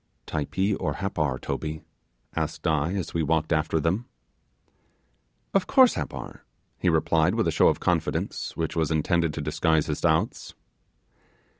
'Typee or Happar, Toby?' asked I as we walked after them. 'Of course Happar,' he replied, with a show of confidence which was intended to disguise his doubts.